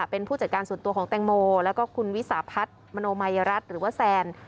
เป็นผู้จัดการส่วนตัวของแตงโมแล้วก็คุณวิสาพัฒน์มโนมัยรัฐหรือว่าแซน